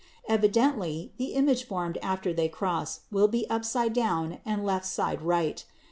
Evidently the image formed after they cross will be upside down and left side right.